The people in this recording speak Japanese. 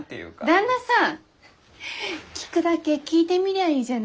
旦那さん聞くだけ聞いてみりゃいいじゃない。